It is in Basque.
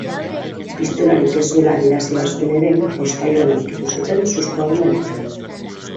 Pistolarik ez zuela adierazi bazuen ere, hozkailuan aurkitu zuten suzko arma ertzainek.